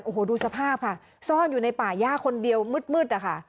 โอ้โหดูสภาพค่ะซ่อนอยู่ในป่าย่าคนเดียวมืดนะคะ